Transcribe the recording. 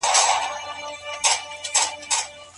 پلار وویل چي پلان ضروري دی.